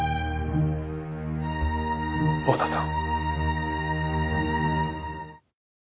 大多さん。